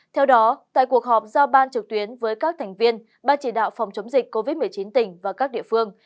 theo đó tại cuộc họp giao ban trực tuyến với các thành viên ban chỉ đạo phòng chống dịch covid một mươi chín tỉnh và các địa phương